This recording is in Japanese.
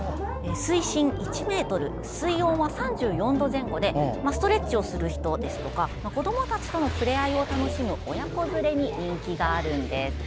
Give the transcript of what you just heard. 水深１ｍ、水温は３４度前後でストレッチをする人ですとか子どもたちとの触れ合いを楽しむ親子連れに人気があるんです。